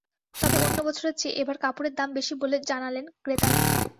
তবে অন্য বছরের চেয়ে এবার কাপড়ের দাম বেশি বলে জানালেন ক্রেতারা।